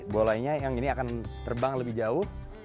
bolanya yang ini akan terbang lebih jauh